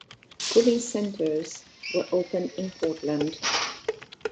Cooling centers were opened in Portland.